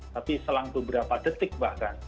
tapi selang beberapa detik bahkan